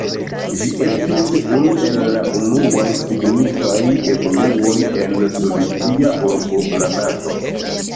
Ĝi estis unu el la unuaj signifaj evoluoj en sovetia urboplanado.